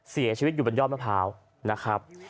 เสียชีวิตอยู่บนยอดมะพร้าวนะครับ